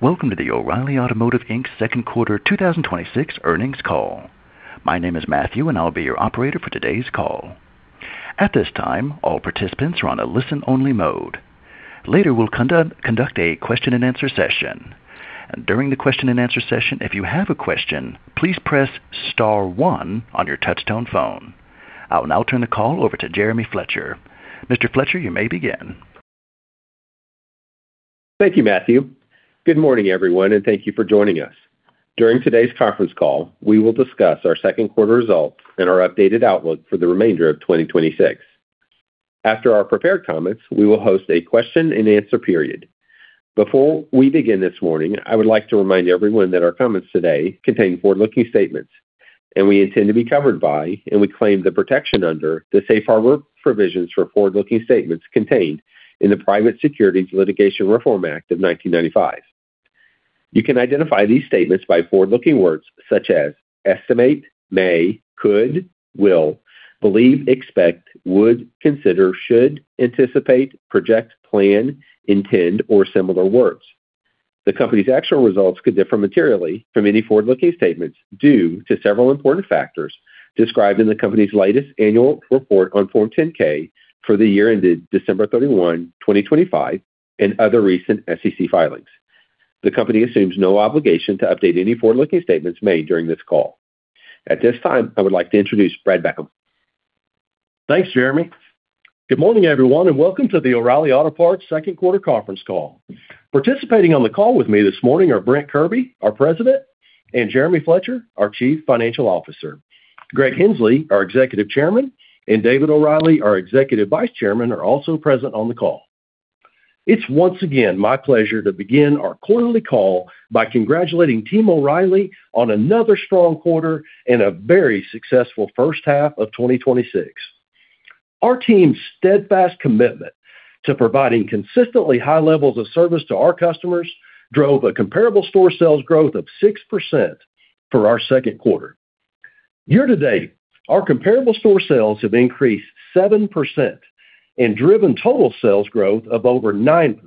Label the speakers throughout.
Speaker 1: Welcome to the O’Reilly Automotive Inc.'s second quarter 2026 earnings call. My name is Matthew, and I'll be your operator for today's call. At this time, all participants are on a listen-only mode. Later, we'll conduct a question-and-answer session. During the question-and-answer session, if you have a question, please press star one on your touchtone phone. I will now turn the call over to Jeremy Fletcher. Mr. Fletcher, you may begin.
Speaker 2: Thank you, Matthew. Good morning, everyone, and thank you for joining us. During today's conference call, we will discuss our second quarter results and our updated outlook for the remainder of 2026. After our prepared comments, we will host a question-and-answer period. Before we begin this morning, I would like to remind everyone that our comments today contain forward-looking statements. We intend to be covered by and we claim the protection under the safe harbor provisions for forward-looking statements contained in the Private Securities Litigation Reform Act of 1995. You can identify these statements by forward-looking words such as estimate, may, could, will, believe, expect, would, consider, should, anticipate, project, plan, intend, or similar words. The company's actual results could differ materially from any forward-looking statements due to several important factors described in the company's latest annual report on Form 10-K for the year ended December 31, 2025, and other recent SEC filings. The company assumes no obligation to update any forward-looking statements made during this call. At this time, I would like to introduce Brad Beckham.
Speaker 3: Thanks, Jeremy. Good morning, everyone, and welcome to the O’Reilly Auto Parts second quarter conference call. Participating on the call with me this morning are Brent Kirby, our president, and Jeremy Fletcher, our chief financial officer. Greg Henslee, our executive chairman, and David O’Reilly, our executive vice chairman, are also present on the call. It's once again my pleasure to begin our quarterly call by congratulating Team O’Reilly on another strong quarter and a very successful first half of 2026. Our team's steadfast commitment to providing consistently high levels of service to our customers drove a comparable store sales growth of 6% for our second quarter. Year-to-date, our comparable store sales have increased 7% and driven total sales growth of over 9%.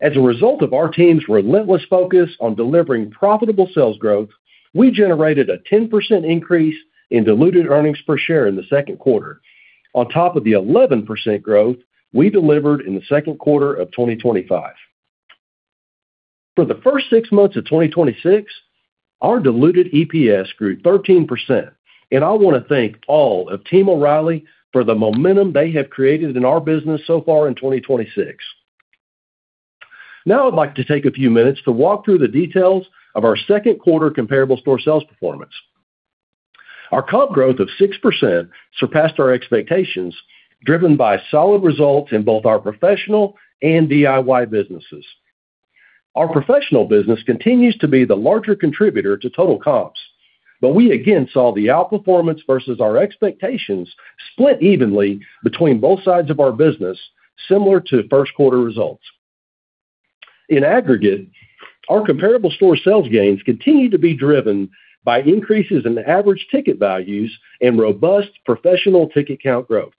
Speaker 3: As a result of our team's relentless focus on delivering profitable sales growth, we generated a 10% increase in diluted earnings per share in the second quarter on top of the 11% growth we delivered in the second quarter of 2025. For the first six months of 2026, our diluted EPS grew 13%, and I want to thank all of Team O'Reilly for the momentum they have created in our business so far in 2026. Now I'd like to take a few minutes to walk through the details of our second quarter comparable store sales performance. Our comp growth of 6% surpassed our expectations, driven by solid results in both our professional and DIY businesses. Our professional business continues to be the larger contributor to total comps, but we again saw the outperformance versus our expectations split evenly between both sides of our business, similar to first quarter results. In aggregate, our comparable store sales gains continue to be driven by increases in average ticket values and robust professional ticket count growth.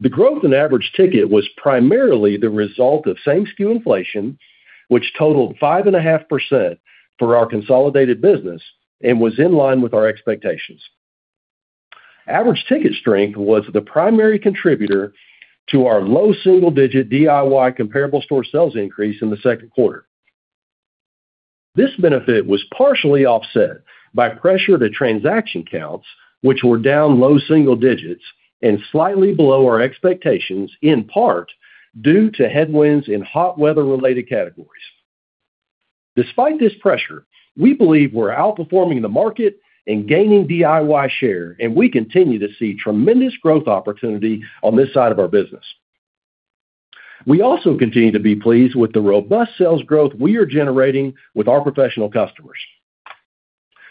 Speaker 3: The growth in average ticket was primarily the result of same-sku inflation, which totaled 5.5% for our consolidated business and was in line with our expectations. Average ticket strength was the primary contributor to our low single-digit DIY comparable store sales increase in the second quarter. This benefit was partially offset by pressure to transaction counts, which were down low single digits and slightly below our expectations, in part due to headwinds in hot weather-related categories. Despite this pressure, we believe we're outperforming the market and gaining DIY share, and we continue to see tremendous growth opportunity on this side of our business. We also continue to be pleased with the robust sales growth we are generating with our professional customers.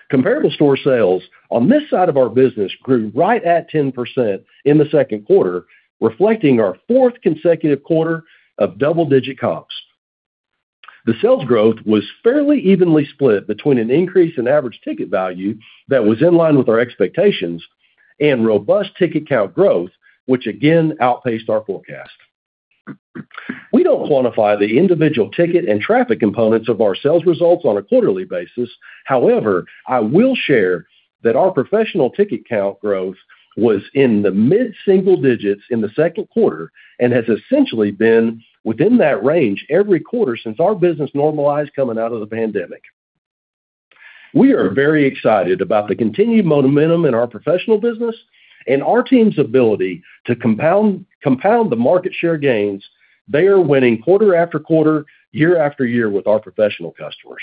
Speaker 3: Comparable store sales on this side of our business grew right at 10% in the second quarter, reflecting our fourth consecutive quarter of double-digit comps. The sales growth was fairly evenly split between an increase in average ticket value that was in line with our expectations and robust ticket count growth, which again outpaced our forecast. We don't quantify the individual ticket and traffic components of our sales results on a quarterly basis. However, I will share that our professional ticket count growth was in the mid-single digits in the second quarter and has essentially been within that range every quarter since our business normalized coming out of the pandemic. We are very excited about the continued momentum in our professional business and our team's ability to compound the market share gains they are winning quarter after quarter, year after year with our professional customers.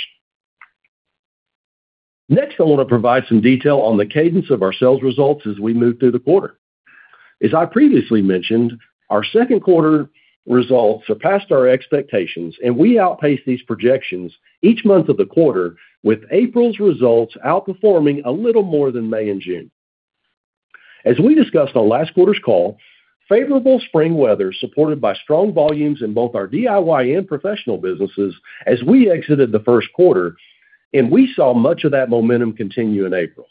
Speaker 3: Next, I want to provide some detail on the cadence of our sales results as we move through the quarter. As I previously mentioned, our second quarter results surpassed our expectations, and we outpaced these projections each month of the quarter, with April's results outperforming a little more than May and June. As we discussed on last quarter's call, favorable spring weather supported by strong volumes in both our DIY and professional businesses as we exited the first quarter, and we saw much of that momentum continue in April.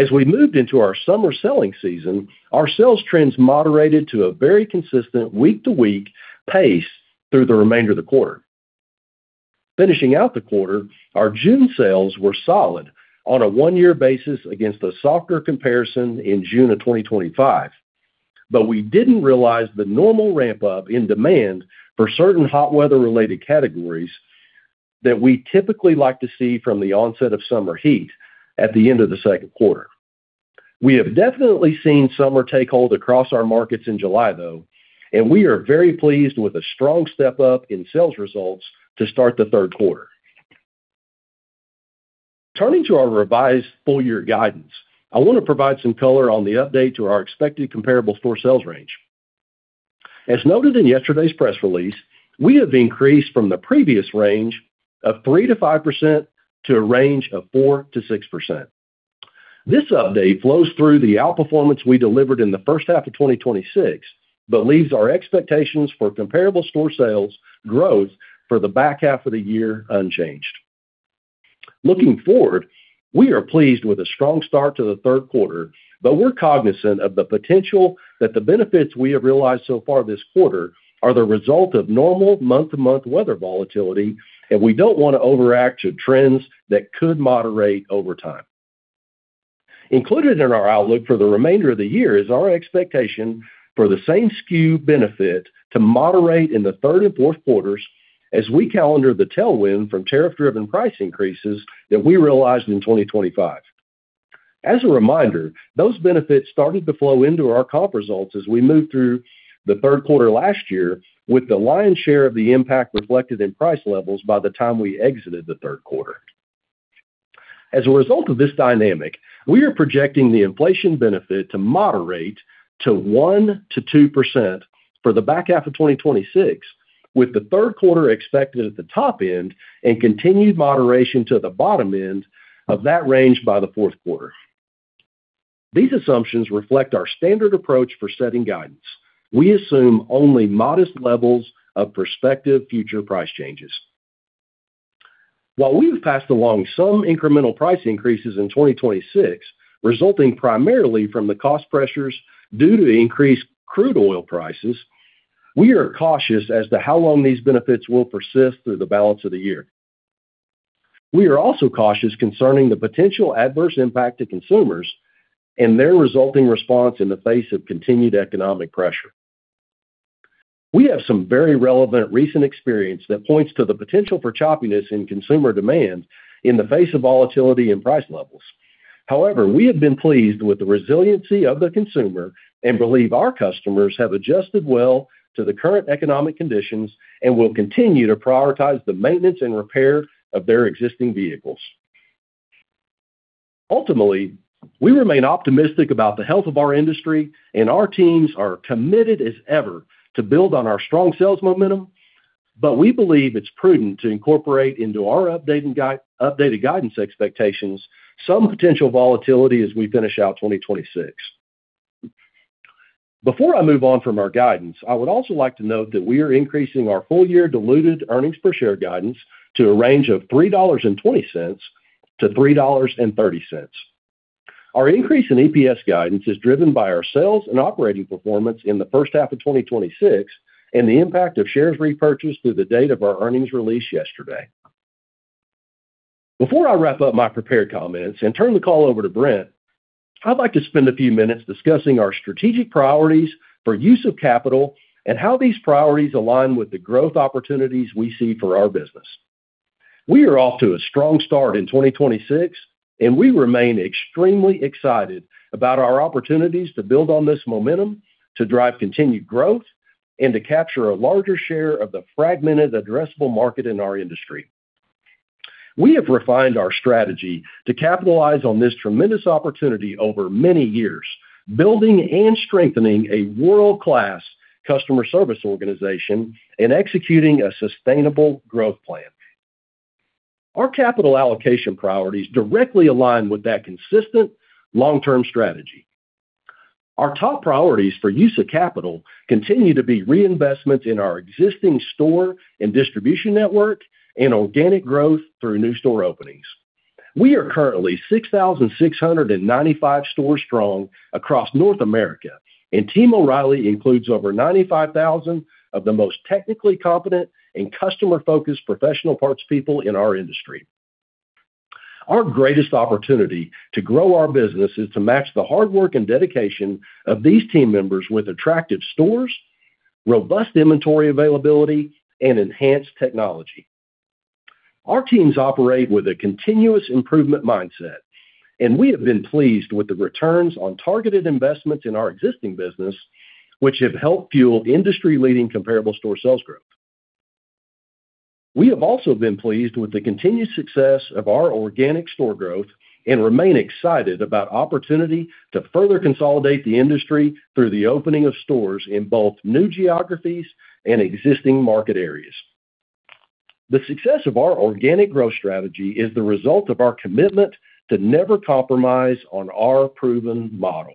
Speaker 3: As we moved into our summer selling season, our sales trends moderated to a very consistent week-to-week pace through the remainder of the quarter. Finishing out the quarter, our June sales were solid on a one-year basis against a softer comparison in June of 2025. We didn't realize the normal ramp-up in demand for certain hot weather-related categories that we typically like to see from the onset of summer heat at the end of the second quarter. We have definitely seen summer take hold across our markets in July, though, and we are very pleased with the strong step-up in sales results to start the third quarter. Turning to our revised full-year guidance, I want to provide some color on the update to our expected comparable store sales range. As noted in yesterday's press release, we have increased from the previous range of 3%-5% to a range of 4%-6%. This update flows through the outperformance we delivered in the first half of 2026 but leaves our expectations for comparable store sales growth for the back half of the year unchanged. Looking forward, we are pleased with the strong start to the third quarter, but we're cognizant of the potential that the benefits we have realized so far this quarter are the result of normal month-to-month weather volatility, and we don't want to overreact to trends that could moderate over time. Included in our outlook for the remainder of the year is our expectation for the same SKU benefit to moderate in the third and fourth quarters as we calendar the tailwind from tariff-driven price increases that we realized in 2025. As a reminder, those benefits started to flow into our comp results as we moved through the third quarter last year, with the lion's share of the impact reflected in price levels by the time we exited the third quarter. As a result of this dynamic, we are projecting the inflation benefit to moderate to 1%-2% for the back half of 2026, with the third quarter expected at the top end and continued moderation to the bottom end of that range by the fourth quarter. These assumptions reflect our standard approach for setting guidance. We assume only modest levels of prospective future price changes. While we've passed along some incremental price increases in 2026, resulting primarily from the cost pressures due to the increased crude oil prices, we are cautious as to how long these benefits will persist through the balance of the year. We are also cautious concerning the potential adverse impact to consumers and their resulting response in the face of continued economic pressure. We have some very relevant recent experience that points to the potential for choppiness in consumer demand in the face of volatility in price levels. However, we have been pleased with the resiliency of the consumer and believe our customers have adjusted well to the current economic conditions and will continue to prioritize the maintenance and repair of their existing vehicles. Ultimately, we remain optimistic about the health of our industry, and our teams are committed as ever to build on our strong sales momentum. We believe it's prudent to incorporate into our updated guidance expectations some potential volatility as we finish out 2026. Before I move on from our guidance, I would also like to note that we are increasing our full-year diluted earnings per share guidance to a range of $3.20-$3.30. Our increase in EPS guidance is driven by our sales and operating performance in the first half of 2026 and the impact of shares repurchased through the date of our earnings release yesterday. Before I wrap up my prepared comments and turn the call over to Brent, I'd like to spend a few minutes discussing our strategic priorities for use of capital and how these priorities align with the growth opportunities we see for our business. We are off to a strong start in 2026, and we remain extremely excited about our opportunities to build on this momentum, to drive continued growth, and to capture a larger share of the fragmented addressable market in our industry. We have refined our strategy to capitalize on this tremendous opportunity over many years, building and strengthening a world-class customer service organization and executing a sustainable growth plan. Our capital allocation priorities directly align with that consistent long-term strategy. Our top priorities for use of capital continue to be reinvestments in our existing store and distribution network and organic growth through new store openings. We are currently 6,695 stores strong across North America, and Team O’Reilly includes over 95,000 of the most technically competent and customer-focused professional parts people in our industry. Our greatest opportunity to grow our business is to match the hard work and dedication of these team members with attractive stores, robust inventory availability, and enhanced technology. Our teams operate with a continuous improvement mindset, and we have been pleased with the returns on targeted investments in our existing business, which have helped fuel industry-leading comparable store sales growth. We have also been pleased with the continued success of our organic store growth and remain excited about opportunity to further consolidate the industry through the opening of stores in both new geographies and existing market areas. The success of our organic growth strategy is the result of our commitment to never compromise on our proven model.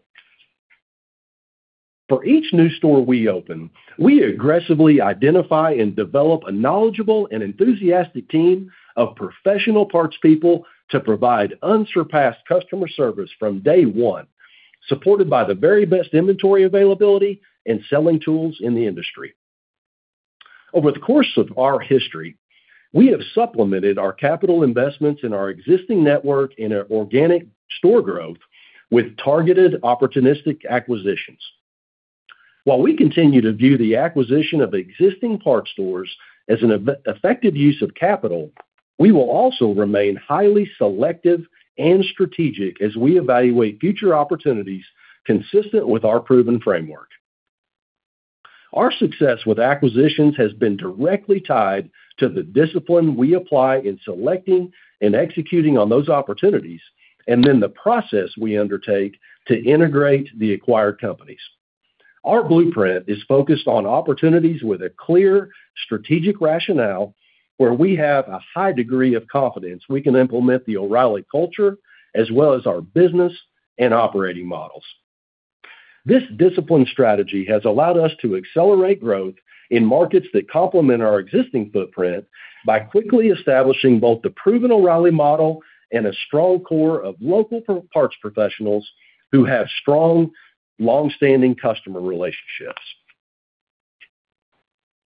Speaker 3: For each new store we open, we aggressively identify and develop a knowledgeable and enthusiastic team of professional parts people to provide unsurpassed customer service from day one, supported by the very best inventory availability and selling tools in the industry. Over the course of our history, we have supplemented our capital investments in our existing network in our organic store growth with targeted opportunistic acquisitions. While we continue to view the acquisition of existing parts stores as an effective use of capital, we will also remain highly selective and strategic as we evaluate future opportunities consistent with our proven framework. Our success with acquisitions has been directly tied to the discipline we apply in selecting and executing on those opportunities, and then the process we undertake to integrate the acquired companies. Our blueprint is focused on opportunities with a clear strategic rationale where we have a high degree of confidence we can implement the O’Reilly culture as well as our business and operating models. This disciplined strategy has allowed us to accelerate growth in markets that complement our existing footprint by quickly establishing both the proven O’Reilly model and a strong core of local parts professionals who have strong, longstanding customer relationships.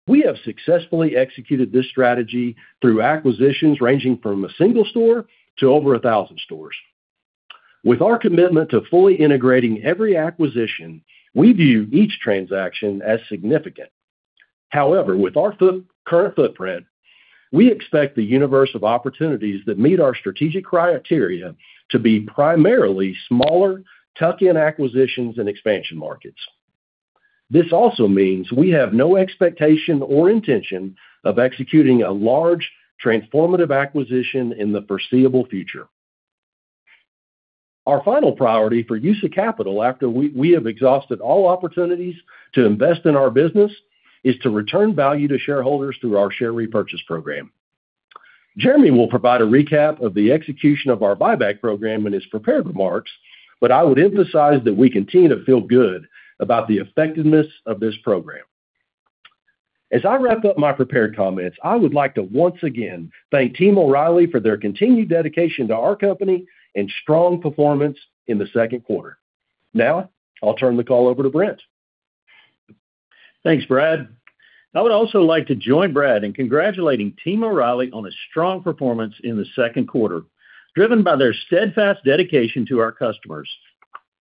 Speaker 3: We have successfully executed this strategy through acquisitions ranging from a single store to over 1,000 stores. With our commitment to fully integrating every acquisition, we view each transaction as significant. However, with our current footprint, we expect the universe of opportunities that meet our strategic criteria to be primarily smaller tuck-in acquisitions and expansion markets. This also means we have no expectation or intention of executing a large transformative acquisition in the foreseeable future. Our final priority for use of capital after we have exhausted all opportunities to invest in our business is to return value to shareholders through our share repurchase program. Jeremy will provide a recap of the execution of our buyback program in his prepared remarks, I would emphasize that we continue to feel good about the effectiveness of this program. As I wrap up my prepared comments, I would like to once again thank Team O’Reilly for their continued dedication to our company and strong performance in the second quarter. I’ll turn the call over to Brent.
Speaker 4: Thanks, Brad. I would also like to join Brad in congratulating Team O’Reilly on a strong performance in the second quarter, driven by their steadfast dedication to our customers.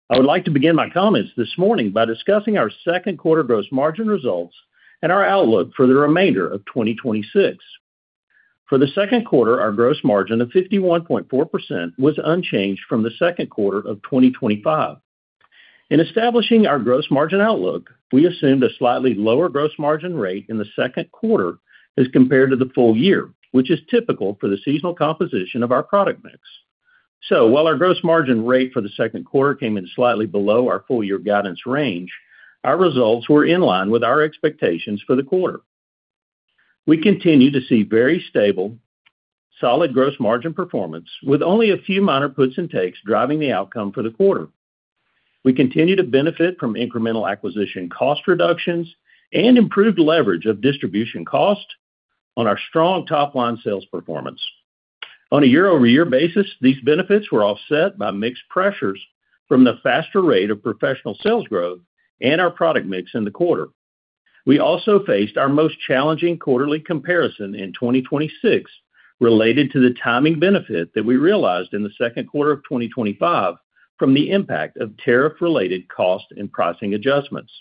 Speaker 4: I would like to begin my comments this morning by discussing our second quarter gross margin results and our outlook for the remainder of 2026. For the second quarter, our gross margin of 51.4% was unchanged from the second quarter of 2025. In establishing our gross margin outlook, we assumed a slightly lower gross margin rate in the second quarter as compared to the full year, which is typical for the seasonal composition of our product mix. While our gross margin rate for the second quarter came in slightly below our full-year guidance range, our results were in line with our expectations for the quarter. We continue to see very stable, solid gross margin performance with only a few minor puts and takes driving the outcome for the quarter. We continue to benefit from incremental acquisition cost reductions and improved leverage of distribution cost on our strong top-line sales performance. On a year-over-year basis, these benefits were offset by mixed pressures from the faster rate of professional sales growth and our product mix in the quarter. We also faced our most challenging quarterly comparison in 2026 related to the timing benefit that we realized in the second quarter of 2025 from the impact of tariff-related cost and pricing adjustments.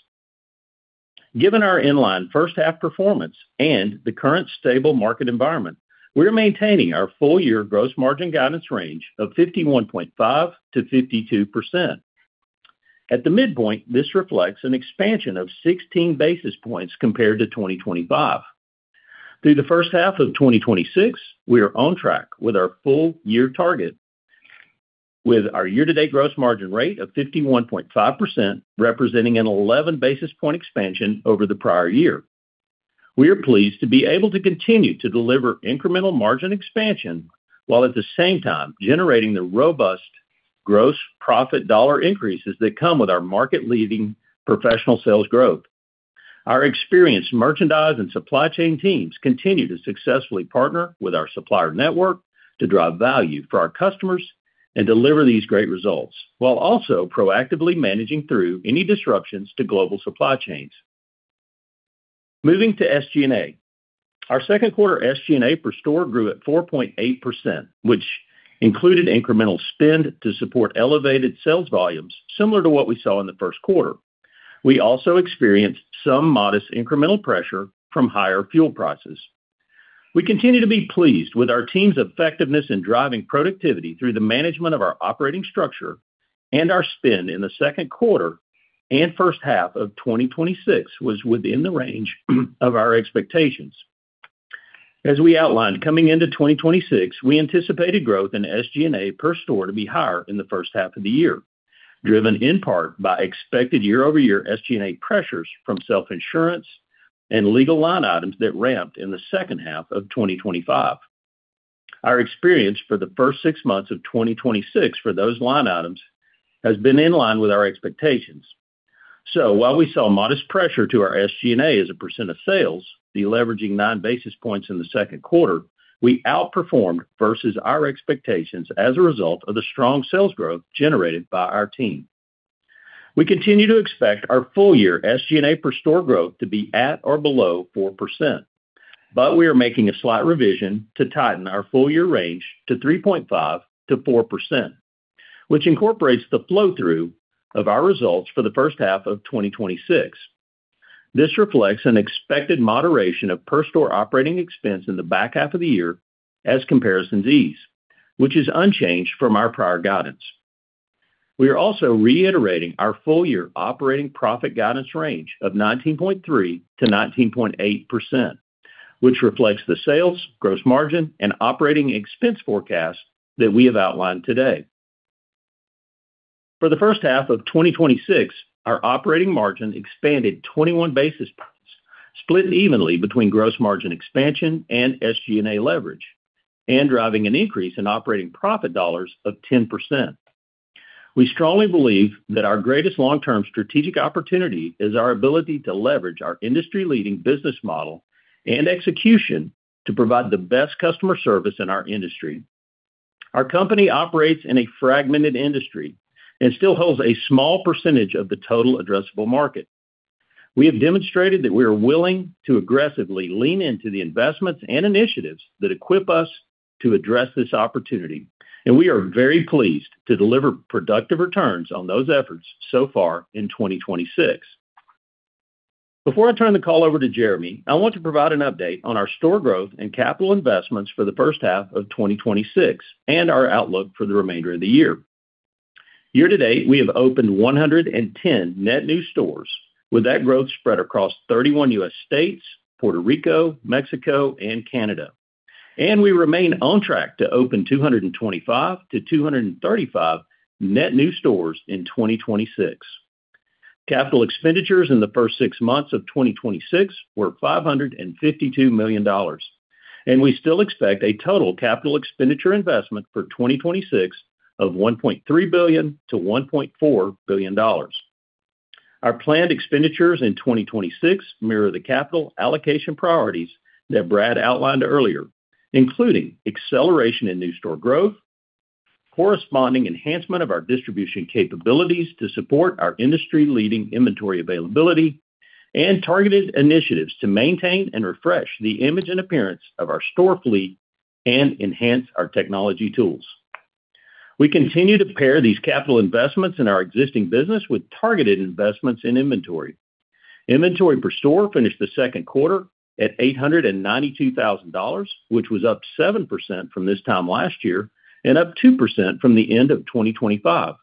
Speaker 4: Given our in-line first half performance and the current stable market environment, we’re maintaining our full-year gross margin guidance range of 51.5%-52%. At the midpoint, this reflects an expansion of 16 basis points compared to 2025. Through the first half of 2026, we are on track with our full-year target with our year-to-date gross margin rate of 51.5%, representing an 11 basis point expansion over the prior year. We are pleased to be able to continue to deliver incremental margin expansion while at the same time generating the robust gross profit dollar increases that come with our market-leading professional sales growth. Our experienced merchandise and supply chain teams continue to successfully partner with our supplier network to drive value for our customers and deliver these great results, while also proactively managing through any disruptions to global supply chains. Moving to SG&A. Our second quarter SG&A per store grew at 4.8%, which included incremental spend to support elevated sales volumes, similar to what we saw in the first quarter. We also experienced some modest incremental pressure from higher fuel prices. We continue to be pleased with our team’s effectiveness in driving productivity through the management of our operating structure and our spend in the second quarter and first half of 2026 was within the range of our expectations. As we outlined coming into 2026, we anticipated growth in SG&A per store to be higher in the first half of the year, driven in part by expected year-over-year SG&A pressures from self-insurance and legal line items that ramped in the second half of 2025. Our experience for the first six months of 2026 for those line items has been in line with our expectations. While we saw modest pressure to our SG&A as a percent of sales, deleveraging 9 basis points in the second quarter, we outperformed versus our expectations as a result of the strong sales growth generated by our team. We continue to expect our full year SG&A per store growth to be at or below 4%, but we are making a slight revision to tighten our full year range to 3.5%-4%, which incorporates the flow-through of our results for the first half of 2026. This reflects an expected moderation of per store operating expense in the back half of the year as comparisons ease, which is unchanged from our prior guidance. We are also reiterating our full year operating profit guidance range of 19.3%-19.8%, which reflects the sales, gross margin, and operating expense forecast that we have outlined today. For the first half of 2026, our operating margin expanded 21 basis points, split evenly between gross margin expansion and SG&A leverage, and driving an increase in operating profit dollars of 10%. We strongly believe that our greatest long-term strategic opportunity is our ability to leverage our industry-leading business model and execution to provide the best customer service in our industry. Our company operates in a fragmented industry and still holds a small percentage of the total addressable market. We have demonstrated that we are willing to aggressively lean into the investments and initiatives that equip us to address this opportunity, and we are very pleased to deliver productive returns on those efforts so far in 2026. Before I turn the call over to Jeremy, I want to provide an update on our store growth and capital investments for the first half of 2026 and our outlook for the remainder of the year. Year-to-date, we have opened 110 net new stores, with that growth spread across 31 U.S. states, Puerto Rico, Mexico, and Canada. We remain on track to open 225-235 net new stores in 2026. Capital expenditures in the first six months of 2026 were $552 million. We still expect a total capital expenditure investment for 2026 of $1.3 billion-$1.4 billion. Our planned expenditures in 2026 mirror the capital allocation priorities that Brad outlined earlier, including acceleration in new store growth, corresponding enhancement of our distribution capabilities to support our industry-leading inventory availability, and targeted initiatives to maintain and refresh the image and appearance of our store fleet and enhance our technology tools. We continue to pair these capital investments in our existing business with targeted investments in inventory. Inventory per store finished the second quarter at $892,000, which was up 7% from this time last year and up 2% from the end of 2025.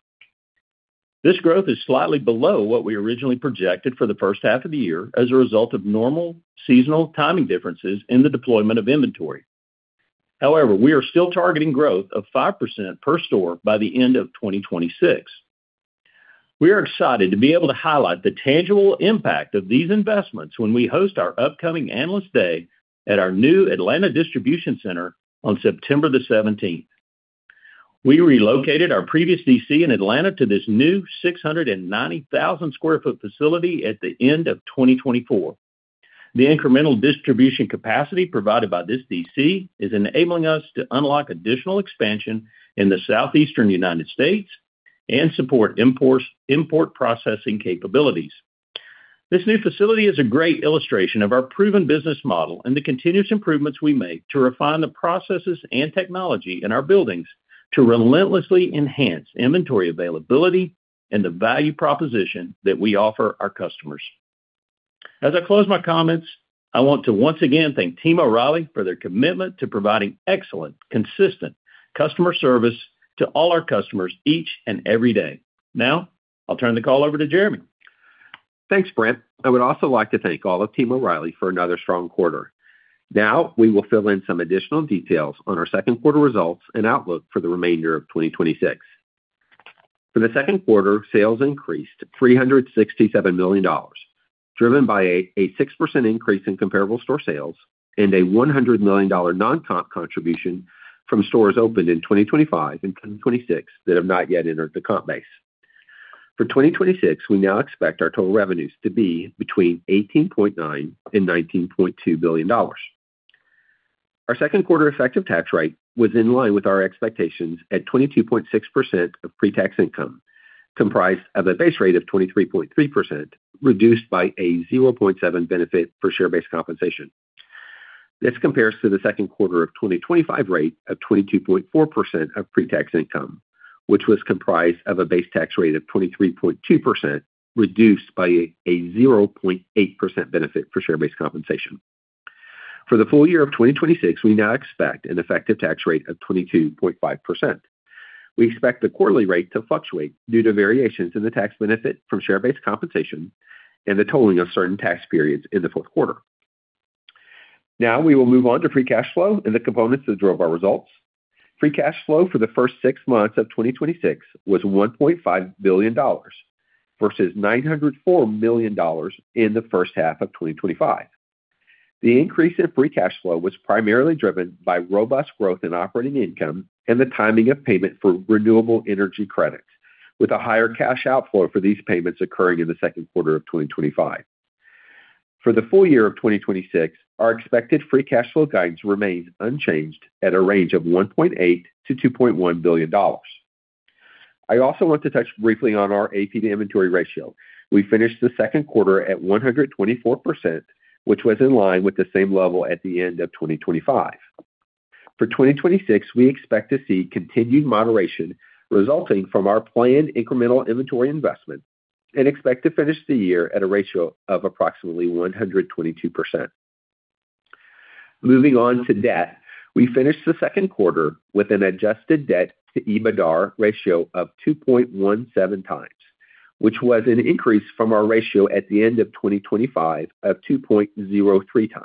Speaker 4: This growth is slightly below what we originally projected for the first half of the year as a result of normal seasonal timing differences in the deployment of inventory. However, we are still targeting growth of 5% per store by the end of 2026. We are excited to be able to highlight the tangible impact of these investments when we host our upcoming Analyst Day at our new Atlanta distribution center on September the 17th. We relocated our previous DC in Atlanta to this new 690,000 sq ft facility at the end of 2024. The incremental distribution capacity provided by this DC is enabling us to unlock additional expansion in the southeastern U.S. and support import processing capabilities. This new facility is a great illustration of our proven business model and the continuous improvements we make to refine the processes and technology in our buildings to relentlessly enhance inventory availability and the value proposition that we offer our customers. As I close my comments, I want to once again thank Team O’Reilly for their commitment to providing excellent, consistent customer service to all our customers each and every day. I'll turn the call over to Jeremy.
Speaker 2: Thanks, Brent. I would also like to thank all of Team O’Reilly for another strong quarter. We will fill in some additional details on our second quarter results and outlook for the remainder of 2026. For the second quarter, sales increased to $367 million, driven by a 6% increase in comparable store sales and a $100 million non-comp contribution from stores opened in 2025 and 2026 that have not yet entered the comp base. For 2026, we now expect our total revenues to be between $18.9 billion and $19.2 billion. Our second quarter effective tax rate was in line with our expectations at 22.6% of pre-tax income, comprised of a base rate of 23.3%, reduced by a 0.7% benefit for share-based compensation. This compares to the second quarter of 2025 rate of 22.4% of pre-tax income, which was comprised of a base tax rate of 23.2%, reduced by a 0.8% benefit for share-based compensation. For the full year of 2026, we now expect an effective tax rate of 22.5%. We expect the quarterly rate to fluctuate due to variations in the tax benefit from share-based compensation and the totaling of certain tax periods in the fourth quarter. We will move on to free cash flow and the components that drove our results. Free cash flow for the first six months of 2026 was $1.5 billion, versus $904 million in the first half of 2025. The increase in free cash flow was primarily driven by robust growth in operating income and the timing of payment for renewable energy credits, with a higher cash outflow for these payments occurring in the second quarter of 2025. For the full year of 2026, our expected free cash flow guidance remains unchanged at a range of $1.8 billion-$2.1 billion. I also want to touch briefly on our AP to inventory ratio. We finished the second quarter at 124%, which was in line with the same level at the end of 2025. For 2026, we expect to see continued moderation resulting from our planned incremental inventory investment and expect to finish the year at a ratio of approximately 122%. Moving on to debt. We finished the second quarter with an adjusted debt to EBITDAR ratio of 2.17x, which was an increase from our ratio at the end of 2025 of 2.03x.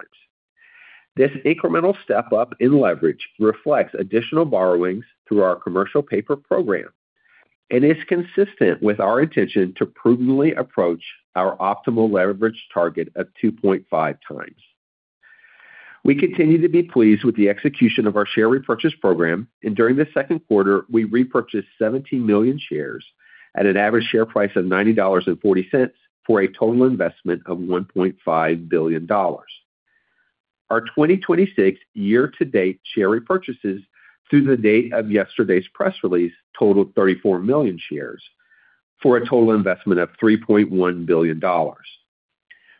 Speaker 2: This incremental step-up in leverage reflects additional borrowings through our commercial paper program and is consistent with our intention to prudently approach our optimal leverage target of 2.5x. We continue to be pleased with the execution of our share repurchase program, and during the second quarter, we repurchased 17 million shares at an average share price of $90.40 for a total investment of $1.5 billion. Our 2026 year-to-date share repurchases through the date of yesterday's press release totaled 34 million shares for a total investment of $3.1 billion.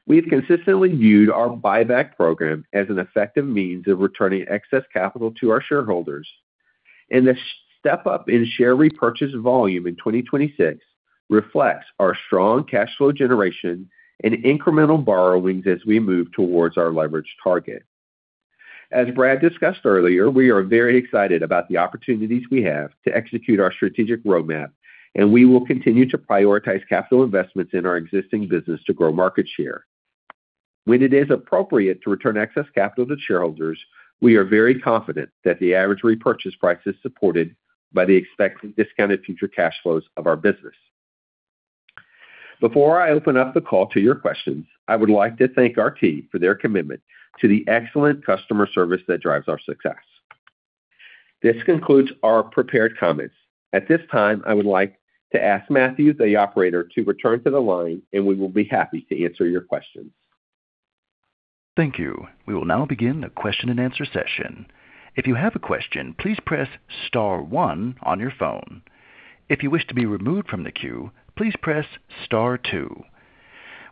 Speaker 2: We have consistently viewed our buyback program as an effective means of returning excess capital to our shareholders, and the step-up in share repurchase volume in 2026 reflects our strong cash flow generation and incremental borrowings as we move towards our leverage target. As Brad discussed earlier, we are very excited about the opportunities we have to execute our strategic roadmap, and we will continue to prioritize capital investments in our existing business to grow market share. When it is appropriate to return excess capital to shareholders, we are very confident that the average repurchase price is supported by the expected discounted future cash flows of our business. Before I open up the call to your questions, I would like to thank our team for their commitment to the excellent customer service that drives our success. This concludes our prepared comments. At this time, I would like to ask Matthew, the operator, to return to the line and we will be happy to answer your questions.
Speaker 1: Thank you. We will now begin the question and answer session. If you have a question, please press star one on your phone. If you wish to be removed from the queue, please press star two.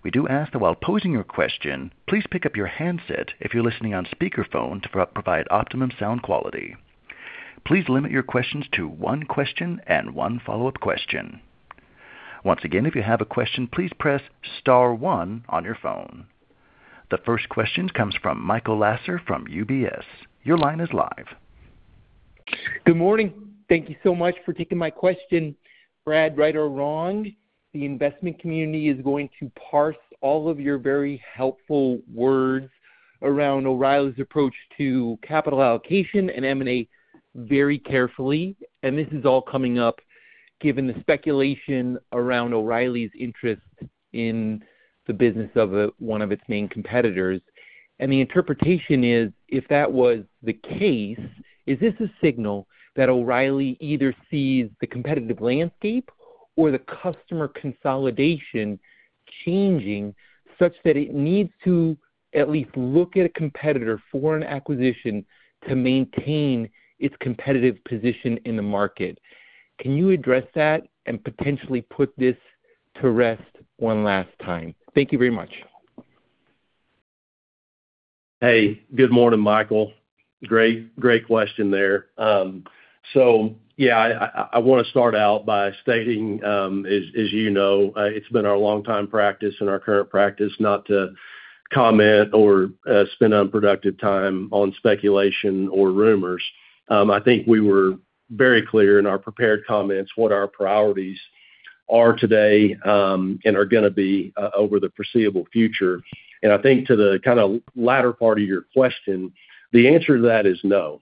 Speaker 1: We do ask that while posing your question, please pick up your handset if you're listening on speakerphone to provide optimum sound quality. Please limit your questions to one question and one follow-up question. Once again, if you have a question, please press star one on your phone. The first question comes from Michael Lasser from UBS. Your line is live.
Speaker 5: Good morning. Thank you so much for taking my question. Brad, right or wrong, the investment community is going to parse all of your very helpful words around O’Reilly's approach to capital allocation and M&A very carefully, and this is all coming up given the speculation around O’Reilly's interest in the business of one of its main competitors. The interpretation is, if that was the case, is this a signal that O’Reilly either sees the competitive landscape or the customer consolidation changing such that it needs to at least look at a competitor for an acquisition to maintain its competitive position in the market? Can you address that and potentially put this to rest one last time? Thank you very much.
Speaker 3: Hey, good morning, Michael. Great question there. Yeah, I want to start out by stating, as you know, it's been our longtime practice and our current practice not to comment or spend unproductive time on speculation or rumors. I think we were very clear in our prepared comments what our priorities are today and are going to be over the foreseeable future. I think to the latter part of your question, the answer to that is no.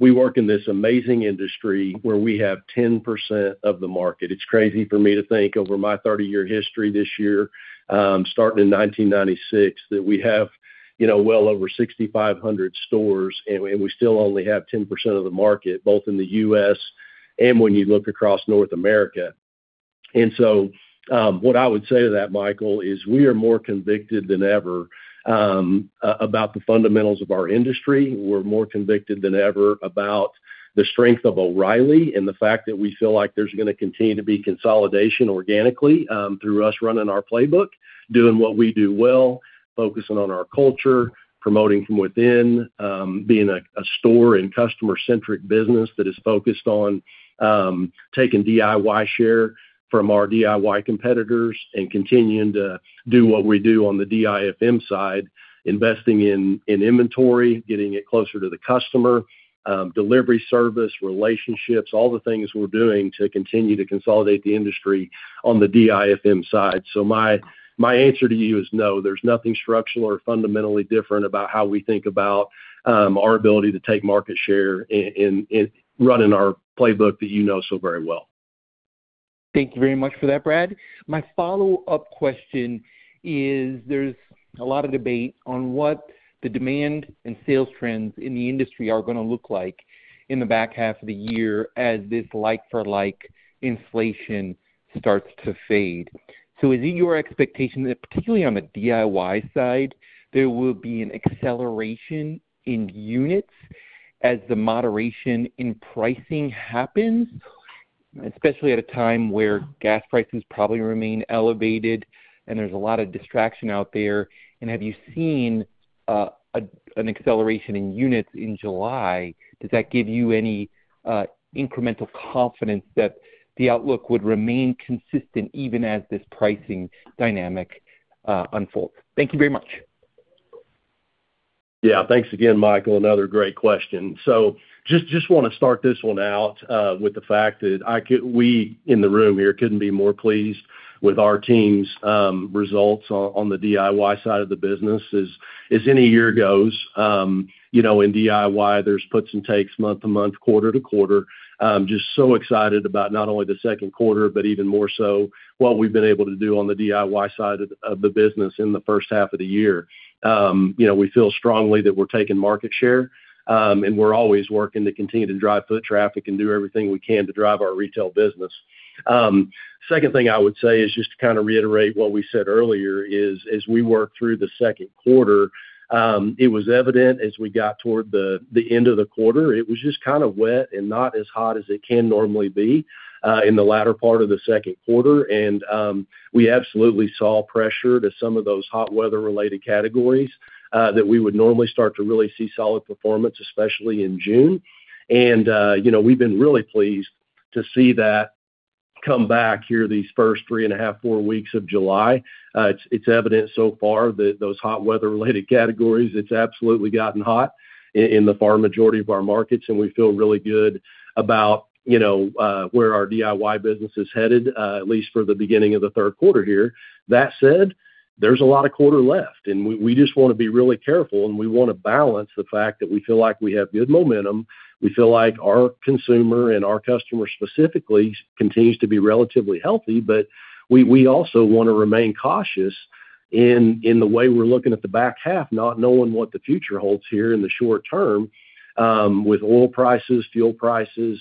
Speaker 3: We work in this amazing industry where we have 10% of the market. It's crazy for me to think over my 30-year history this year, starting in 1996, that we have well over 6,500 stores, and we still only have 10% of the market, both in the U.S. and when you look across North America. What I would say to that, Michael, is we are more convicted than ever about the fundamentals of our industry. We're more convicted than ever about the strength of O’Reilly and the fact that we feel like there's going to continue to be consolidation organically through us running our playbook, doing what we do well, focusing on our culture, promoting from within, being a store and customer-centric business that is focused on taking DIY share from our DIY competitors, and continuing to do what we do on the DIFM side, investing in inventory, getting it closer to the customer, delivery service, relationships, all the things we're doing to continue to consolidate the industry on the DIFM side. My answer to you is no, there's nothing structural or fundamentally different about how we think about our ability to take market share in running our playbook that you know so very well.
Speaker 5: Thank you very much for that, Brad. My follow-up question is, there's a lot of debate on what the demand and sales trends in the industry are going to look like in the back half of the year as this like-for-like inflation starts to fade. Is it your expectation that, particularly on the DIY side, there will be an acceleration in units as the moderation in pricing happens, especially at a time where gas prices probably remain elevated and there's a lot of distraction out there? Have you seen an acceleration in units in July? Does that give you any incremental confidence that the outlook would remain consistent even as this pricing dynamic unfolds? Thank you very much.
Speaker 3: Yeah. Thanks again, Michael. Another great question. Just want to start this one out with the fact that we, in the room here, couldn't be more pleased with our team's results on the DIY side of the business. As any year goes, in DIY, there's puts and takes month to month, quarter to quarter. Just so excited about not only the second quarter, but even more so what we've been able to do on the DIY side of the business in the first half of the year. We feel strongly that we're taking market share, and we're always working to continue to drive foot traffic and do everything we can to drive our retail business. Second thing I would say is just to kind of reiterate what we said earlier is, as we work through the second quarter, it was evident as we got toward the end of the quarter, it was just kind of wet and not as hot as it can normally be in the latter part of the second quarter. We absolutely saw pressure to some of those hot-weather related categories that we would normally start to really see solid performance, especially in June. We've been really pleased to see that come back here these first three and a half, four weeks of July. It's evident so far that those hot-weather related categories, it's absolutely gotten hot in the far majority of our markets, and we feel really good about where our DIY business is headed, at least for the beginning of the third quarter here. That said, there's a lot of quarter left. We just want to be really careful, and we want to balance the fact that we feel like we have good momentum. We feel like our consumer and our customer specifically continues to be relatively healthy. We also want to remain cautious in the way we're looking at the back half, not knowing what the future holds here in the short term with oil prices, fuel prices.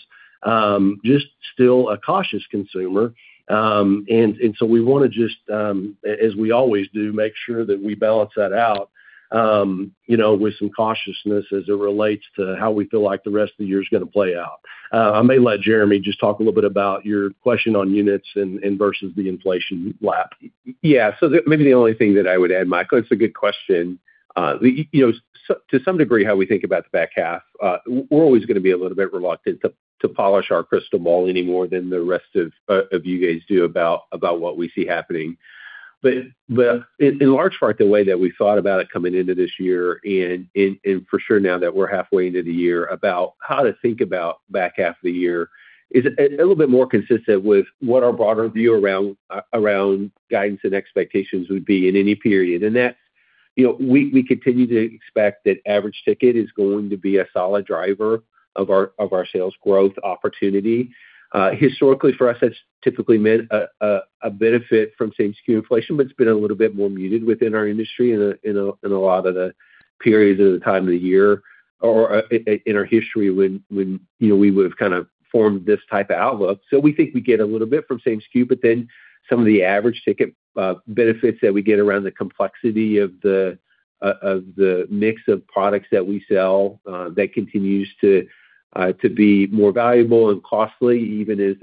Speaker 3: Just still a cautious consumer. We want to just, as we always do, make sure that we balance that out with some cautiousness as it relates to how we feel like the rest of the year is going to play out. I may let Jeremy just talk a little bit about your question on units and versus the inflation lap.
Speaker 2: Yeah. Maybe the only thing that I would add, Michael, it's a good question. To some degree, how we think about the back half, we're always going to be a little bit reluctant to polish our crystal ball any more than the rest of you guys do about what we see happening. In large part, the way that we thought about it coming into this year, and for sure now that we're halfway into the year, about how to think about back half of the year is a little bit more consistent with what our broader view around guidance and expectations would be in any period. We continue to expect that average ticket is going to be a solid driver of our sales growth opportunity. Historically, for us, that's typically meant a benefit from same skew inflation. It's been a little bit more muted within our industry in a lot of the periods of the time of the year or in our history when we would have kind of formed this type of outlook. We think we get a little bit from same skew. Some of the average ticket benefits that we get around the complexity of the mix of products that we sell that continues to be more valuable and costly, even as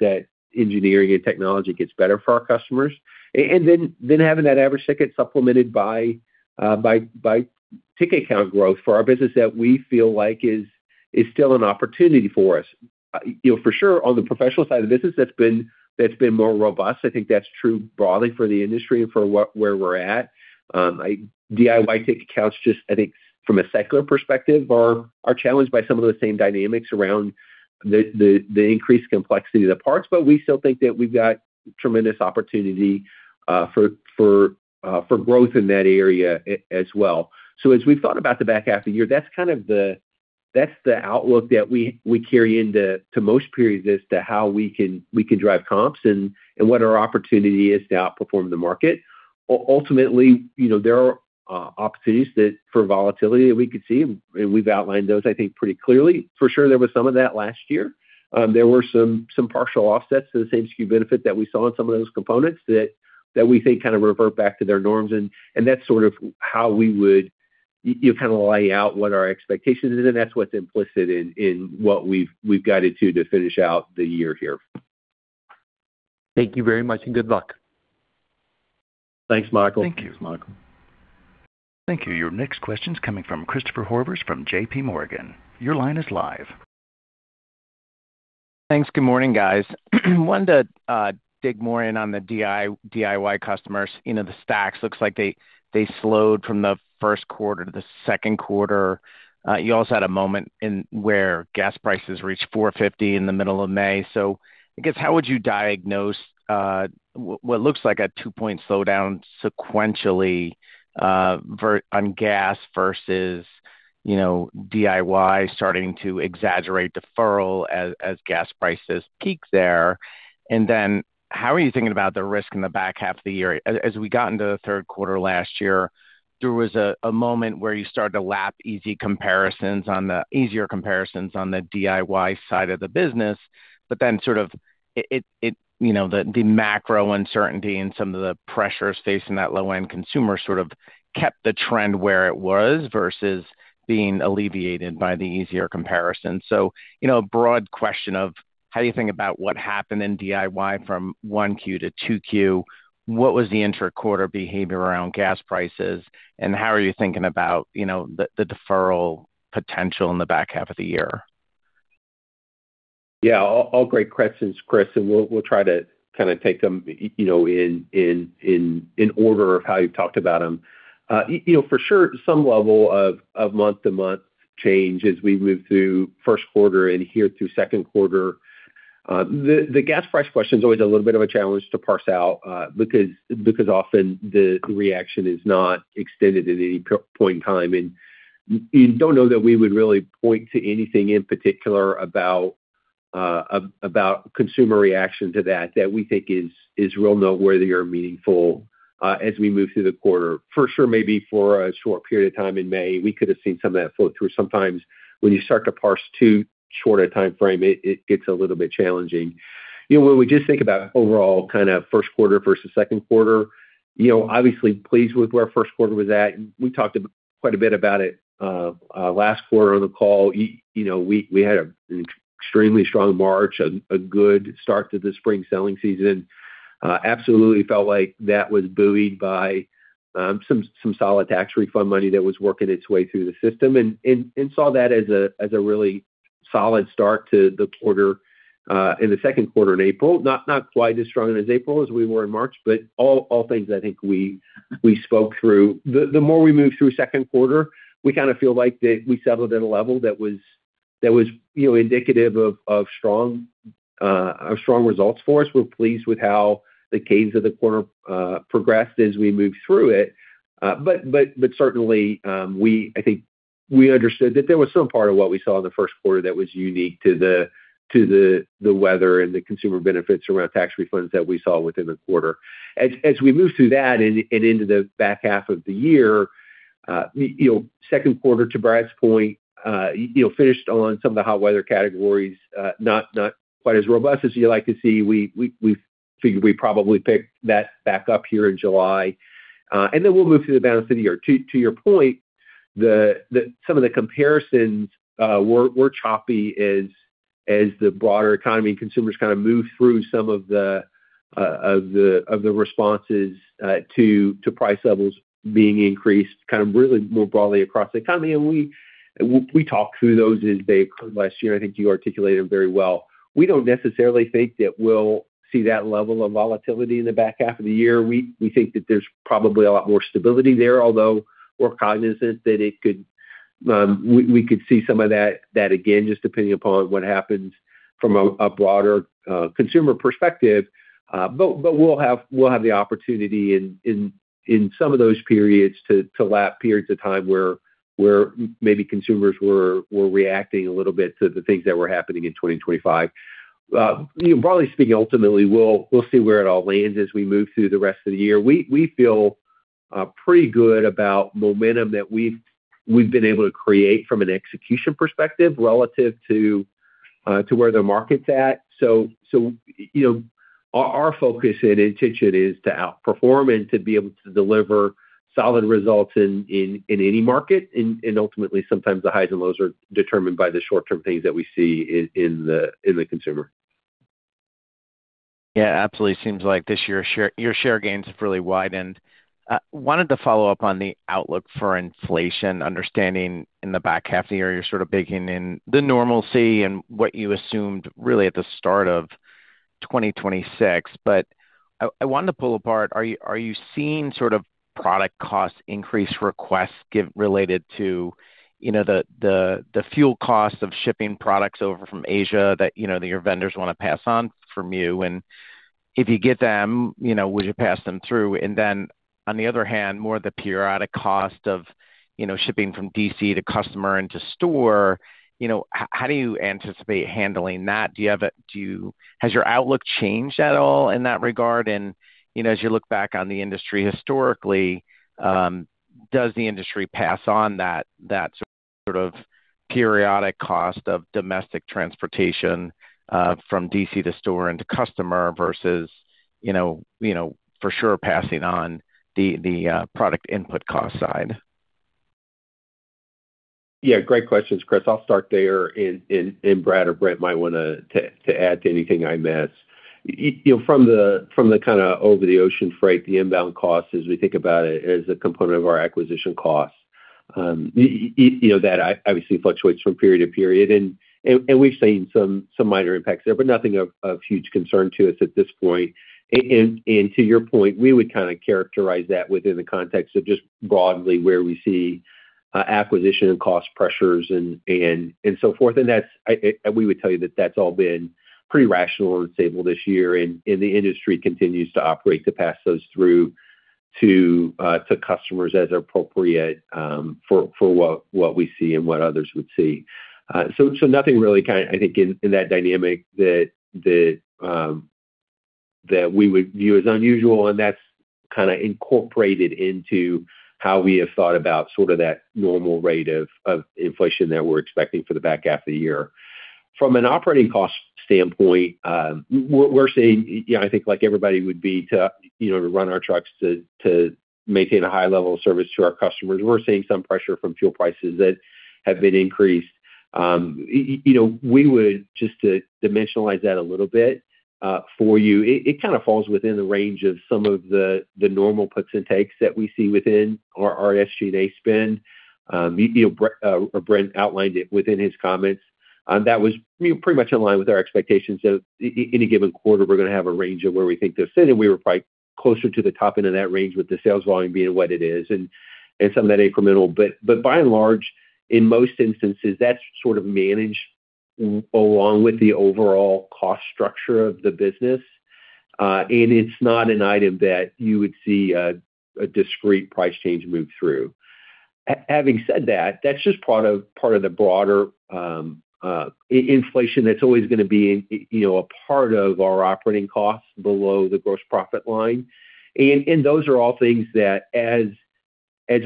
Speaker 2: that engineering and technology gets better for our customers. Having that average ticket supplemented by ticket count growth for our business that we feel like is still an opportunity for us. For sure on the professional side of the business, that's been more robust. I think that's true broadly for the industry and for where we're at. DIY ticket counts just, I think, from a secular perspective, are challenged by some of the same dynamics around the increased complexity of the parts. We still think that we've got tremendous opportunity for growth in that area as well. As we've thought about the back half of the year, that's the outlook that we carry into most periods as to how we can drive comps and what our opportunity is to outperform the market. Ultimately, there are opportunities for volatility that we could see, and we've outlined those, I think, pretty clearly. For sure, there was some of that last year. There were some partial offsets to the same skew benefit that we saw in some of those components that we think kind of revert back to their norms, and that's sort of how we would kind of lay out what our expectations are, and that's what's implicit in what we've guided to finish out the year here.
Speaker 5: Thank you very much, and good luck.
Speaker 2: Thanks, Michael.
Speaker 3: Thanks, Michael.
Speaker 1: Thank you. Your next question's coming from Christopher Horvers from JPMorgan. Your line is live.
Speaker 6: Thanks. Good morning, guys. Wanted to dig more in on the DIY customers. The stacks looks like they slowed from the first quarter to the second quarter. You also had a moment where gas prices reached $4.50 in the middle of May. I guess how would you diagnose what looks like a two-point slowdown sequentially on gas versus DIY starting to exaggerate deferral as gas prices peak there? How are you thinking about the risk in the back half of the year? As we got into the third quarter last year There was a moment where you started to lap easier comparisons on the DIY side of the business. The macro uncertainty and some of the pressures facing that low-end consumer kept the trend where it was versus being alleviated by the easier comparison. Broad question of how you think about what happened in DIY from 1Q to 2Q, what was the intra-quarter behavior around gas prices, and how are you thinking about the deferral potential in the back half of the year?
Speaker 2: All great questions, Chris. We'll try to take them in order of how you've talked about them. For sure, some level of month-to-month change as we move through first quarter and here through second quarter. The gas price question's always a little bit of a challenge to parse out because often the reaction is not extended at any point in time, and don't know that we would really point to anything in particular about consumer reaction to that that we think is real noteworthy or meaningful as we move through the quarter. For sure, maybe for a short period of time in May, we could have seen some of that flow through. Sometimes when you start to parse too short a timeframe, it gets a little bit challenging. When we just think about overall first quarter versus second quarter, obviously pleased with where first quarter was at. We talked quite a bit about it last quarter on the call. We had an extremely strong March, a good start to the spring selling season. Absolutely felt like that was buoyed by some solid tax refund money that was working its way through the system and saw that as a really solid start to the quarter in the second quarter in April. Not quite as strong in April as we were in March. All things I think we spoke through. The more we moved through second quarter, we feel like that we settled at a level that was indicative of strong results for us. We're pleased with how the cadence of the quarter progressed as we moved through it. Certainly, I think we understood that there was some part of what we saw in the first quarter that was unique to the weather and the consumer benefits around tax refunds that we saw within the quarter. As we move through that and into the back half of the year, second quarter, to Brad's point, finished on some of the hot weather categories not quite as robust as you like to see. We figure we probably pick that back up here in July. We'll move through the balance of the year. To your point, some of the comparisons were choppy as the broader economy and consumers moved through some of the responses to price levels being increased really more broadly across the economy, and we talked through those as they occurred last year. I think you articulated them very well. We don't necessarily think that we'll see that level of volatility in the back half of the year. We think that there's probably a lot more stability there, although we're cognizant that we could see some of that again, just depending upon what happens from a broader consumer perspective. We'll have the opportunity in some of those periods to lap periods of time where maybe consumers were reacting a little bit to the things that were happening in 2025. Broadly speaking, ultimately, we'll see where it all lands as we move through the rest of the year. We feel pretty good about momentum that we've been able to create from an execution perspective relative to where the market's at. Our focus and intention is to outperform and to be able to deliver solid results in any market. Ultimately, sometimes the highs and lows are determined by the short-term things that we see in the consumer.
Speaker 6: Yeah, absolutely. Seems like this year your share gains have really widened. Wanted to follow up on the outlook for inflation, understanding in the back half of the year, you're baking in the normalcy and what you assumed really at the start of 2026. I wanted to pull apart, are you seeing product cost increase requests related to the fuel costs of shipping products over from Asia that your vendors want to pass on from you? If you get them, would you pass them through? Then, on the other hand, more the periodic cost of shipping from DC to customer and to store, how do you anticipate handling that? Has your outlook changed at all in that regard? As you look back on the industry historically, does the industry pass on that sort of periodic cost of domestic transportation from DC to store and to customer versus for sure passing on the product input cost side?
Speaker 2: Yeah. Great questions, Chris. I'll start there, and Brad or Brent might want to add to anything I miss. From the over-the-ocean freight, the inbound cost, as we think about it, is a component of our acquisition cost. That obviously fluctuates from period to period, and we've seen some minor impacts there, but nothing of huge concern to us at this point. To your point, we would characterize that within the context of just broadly where we see acquisition and cost pressures and so forth. We would tell you that that's all been pretty rational and stable this year, and the industry continues to operate to pass those through to customers as appropriate for what we see and what others would see. Nothing really I think in that dynamic that we would view as unusual, and that's kind of incorporated into how we have thought about sort of that normal rate of inflation that we're expecting for the back half of the year. From an operating cost standpoint, we're seeing, I think like everybody would be to run our trucks to maintain a high level of service to our customers. We're seeing some pressure from fuel prices that have been increased. We would, just to dimensionalize that a little bit for you, it kind of falls within the range of some of the normal puts and takes that we see within our SG&A spend. Brent outlined it within his comments. That was pretty much in line with our expectations of any given quarter, we're going to have a range of where we think they'll sit in. We were probably closer to the top end of that range with the sales volume being what it is, and some of that incremental. By and large, in most instances, that's sort of managed along with the overall cost structure of the business. It's not an item that you would see a discrete price change move through. Having said that's just part of the broader inflation that's always going to be a part of our operating costs below the gross profit line. Those are all things that as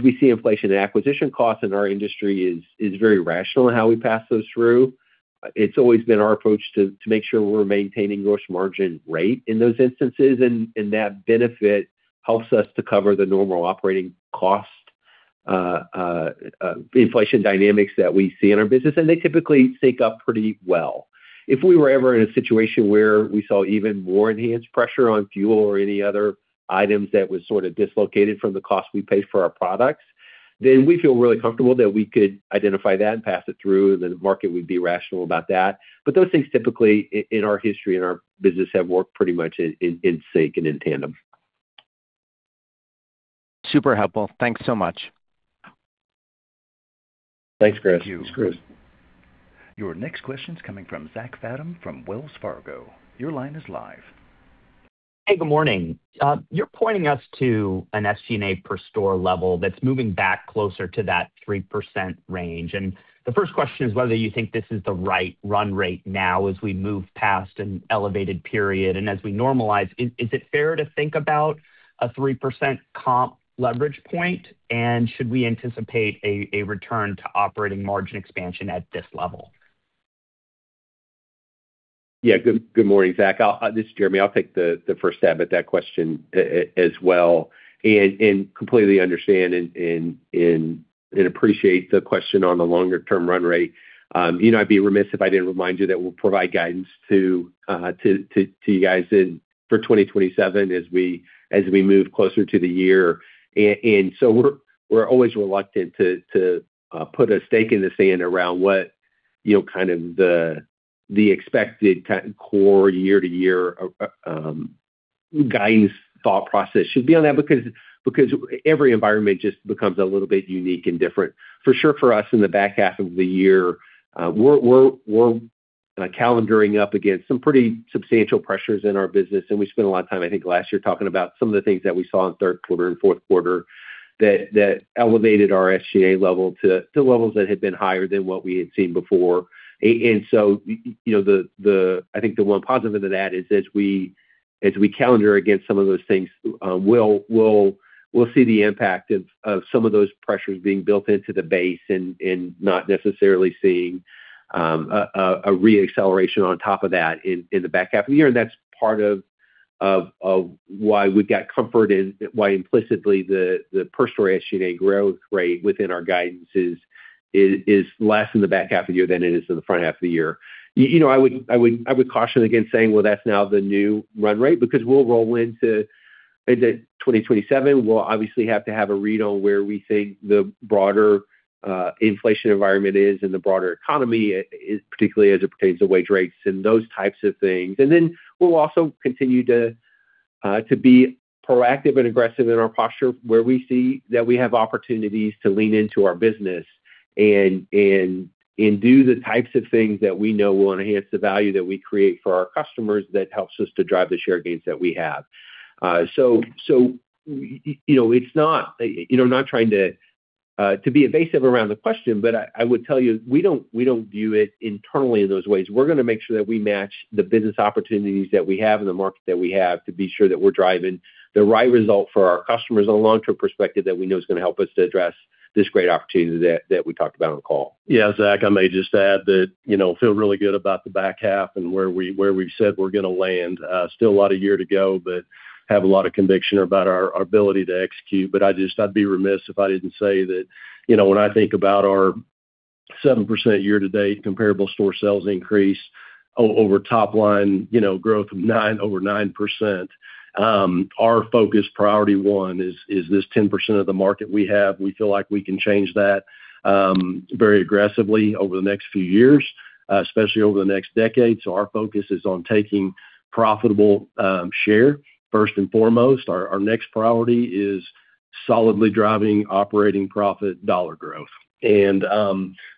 Speaker 2: we see inflation and acquisition costs in our industry is very rational in how we pass those through. It's always been our approach to make sure we're maintaining gross margin rate in those instances, and that benefit helps us to cover the normal operating cost inflation dynamics that we see in our business, and they typically sync up pretty well. If we were ever in a situation where we saw even more enhanced pressure on fuel or any other items that was sort of dislocated from the cost we pay for our products, then we feel really comfortable that we could identify that and pass it through, and the market would be rational about that. Those things typically, in our history, in our business, have worked pretty much in sync and in tandem.
Speaker 6: Super helpful. Thanks so much.
Speaker 2: Thanks, Chris.
Speaker 3: Thanks, Chris.
Speaker 1: Your next question's coming from Zach Fadem from Wells Fargo. Your line is live.
Speaker 7: Hey, good morning. You're pointing us to an SG&A per store level that's moving back closer to that 3% range. The first question is whether you think this is the right run rate now as we move past an elevated period and as we normalize. Is it fair to think about a 3% comp leverage point? Should we anticipate a return to operating margin expansion at this level?
Speaker 2: Yeah. Good morning, Zach. This is Jeremy. I'll take the first stab at that question as well. Completely understand and appreciate the question on the longer term run rate. I'd be remiss if I didn't remind you that we'll provide guidance to you guys for 2027 as we move closer to the year. We're always reluctant to put a stake in the sand around what kind of the expected kind of core year to year guidance thought process should be on that, because every environment just becomes a little bit unique and different. For sure for us in the back half of the year, we're calendaring up against some pretty substantial pressures in our business, and we spent a lot of time, I think, last year, talking about some of the things that we saw in third quarter and fourth quarter that elevated our SG&A level to levels that had been higher than what we had seen before. I think the one positive of that is as we calendar against some of those things, we'll see the impact of some of those pressures being built into the base and not necessarily seeing a re-acceleration on top of that in the back half of the year. That's part of why we've got comfort in why implicitly the per store SG&A growth rate within our guidance is less in the back half of the year than it is in the front half of the year. I would caution against saying, "Well, that's now the new run rate," because we'll roll into 2027. We'll obviously have to have a read on where we think the broader inflation environment is and the broader economy, particularly as it pertains to wage rates and those types of things. Then we'll also continue to be proactive and aggressive in our posture where we see that we have opportunities to lean into our business and do the types of things that we know will enhance the value that we create for our customers that helps us to drive the share gains that we have. I'm not trying to be evasive around the question, but I would tell you, we don't view it internally in those ways. We're going to make sure that we match the business opportunities that we have and the market that we have to be sure that we're driving the right result for our customers on a long-term perspective that we know is going to help us to address this great opportunity that we talked about on the call.
Speaker 3: Zach, I may just add that I feel really good about the back half and where we've said we're going to land. Still a lot of year to go, but have a lot of conviction about our ability to execute. I'd be remiss if I didn't say that when I think about our 7% year-to-date comparable store sales increase over top line growth over 9%, our focus priority one is this 10% of the market we have. We feel like we can change that very aggressively over the next few years, especially over the next decade. Our focus is on taking profitable share first and foremost. Our next priority is solidly driving operating profit dollar growth. We want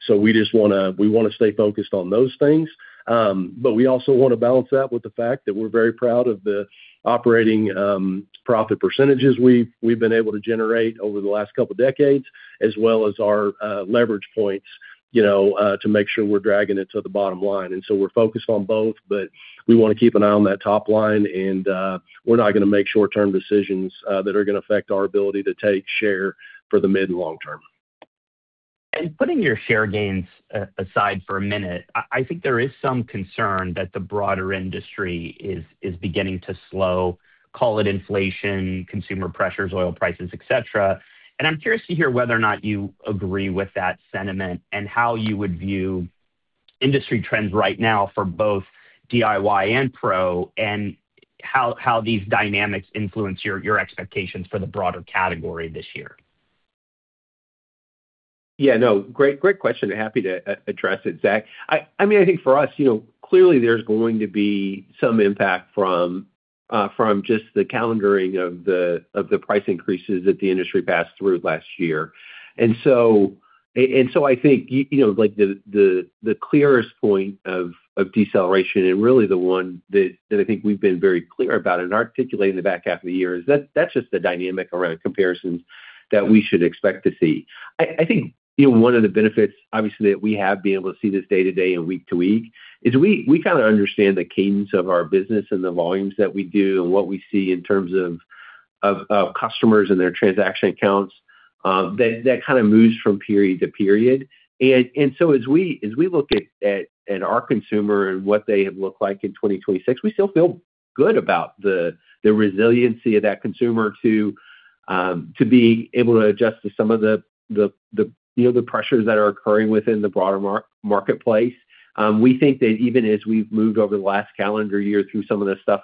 Speaker 3: to stay focused on those things. We also want to balance that with the fact that we're very proud of the operating profit percentages we've been able to generate over the last couple of decades, as well as our leverage points to make sure we're dragging it to the bottom line. We're focused on both, but we want to keep an eye on that top line, and we're not going to make short-term decisions that are going to affect our ability to take share for the mid and long term.
Speaker 7: Putting your share gains aside for a minute, I think there is some concern that the broader industry is beginning to slow. Call it inflation, consumer pressures, oil prices, et cetera. I'm curious to hear whether or not you agree with that sentiment and how you would view industry trends right now for both DIY and Pro, and how these dynamics influence your expectations for the broader category this year.
Speaker 2: Yeah, no. Great question. Happy to address it, Zach. I think for us, clearly there's going to be some impact from just the calendaring of the price increases that the industry passed through last year. The clearest point of deceleration, and really the one that I think we've been very clear about and articulating the back half of the year, is that's just the dynamic around comparisons that we should expect to see. I think one of the benefits, obviously, that we have being able to see this day to day and week to week is we kind of understand the cadence of our business and the volumes that we do and what we see in terms of customers and their transaction counts that kind of moves from period to period. As we look at our consumer and what they have looked like in 2026, we still feel good about the resiliency of that consumer to be able to adjust to some of the pressures that are occurring within the broader marketplace. We think that even as we've moved over the last calendar year through some of the stuff